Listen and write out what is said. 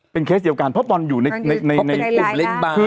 เคสเดียวกันเพราะบอลอยู่ในกลุ่มเล่นบาร์